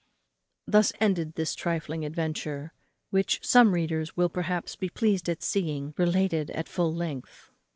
Thus ended this trifling adventure, which some readers will, perhaps, be pleased at seeing related at full length.